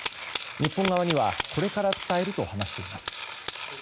日本側にはこれから伝えると話しています。